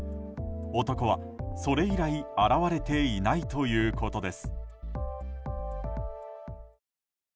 男はそれ以来現れていないということです。